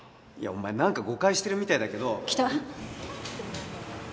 お前何か誤解してるみたいだけど。来た。